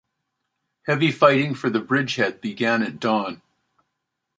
Heavy fighting for the bridgehead began at dawn.